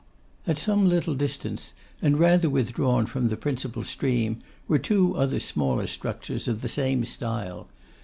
At some little distance, and rather withdrawn from the principal stream, were two other smaller structures of the same style.